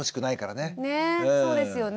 ねえそうですよね。